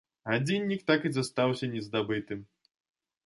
Гадзіннік так і застаўся не здабытым.